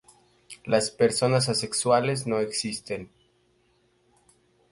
Las personas asexuales no existen.